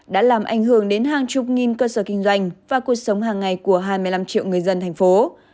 đã làm ảnh hưởng đến hàng chục nghìn cơ sở kinh doanh và cuộc sống hàng ngày của hai mươi năm triệu người dân thành phố